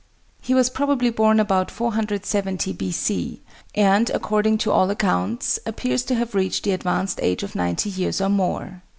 He was probably born about 470 B.C., and, according to all accounts, appears to have reached the advanced age of ninety years or more.